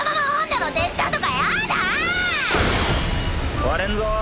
壊れんぞ。